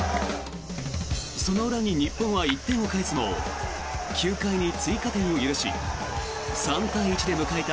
その裏に日本は１点を返すも９回に追加点を許し３対１で迎えた